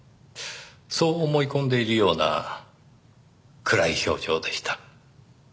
そう思い込んでいるような暗い表情でした。